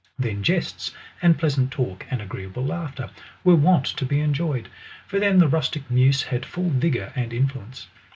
Then jests, and pleasant talk, and agreeable laughter, were wont to be enjoyed; for then the rustic muse had full vigour and influence.